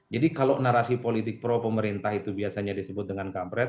jadi kalau narasi politik pro pemerintah itu biasanya disebut dengan kampret